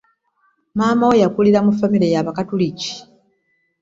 Maama we yakulira mu famire yabakatuulikki.